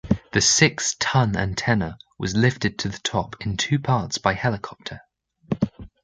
The six-ton antenna was lifted to the top in two parts by helicopter.